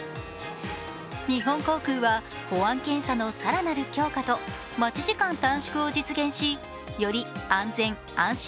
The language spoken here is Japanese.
日本航空は保安検査の更なる強化と待ち時間短縮を実現し、より安全・安心、